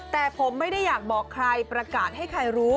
แต่ผมไม่ได้อยากบอกใครประกาศให้ใครรู้